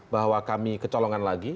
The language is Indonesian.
bahwa kami kecolongan lagi